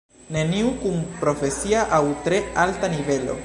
Neniu kun profesia aŭ tre alta nivelo.